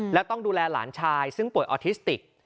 แล้วต้องดูแลหลานชายซึ่งป่วยออทิสติก